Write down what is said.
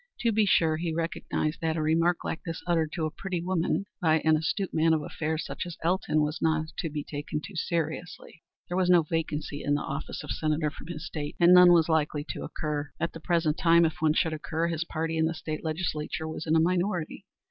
To be sure he recognized that a remark like this uttered to a pretty woman by an astute man of affairs such as Elton was not to be taken too seriously. There was no vacancy in the office of Senator from his state, and none was likely to occur. At the present time, if one should occur, his party in the state legislature was in a minority.